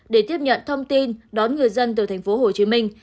để tiếp nhận thông tin đón người dân từ thành phố hồ chí minh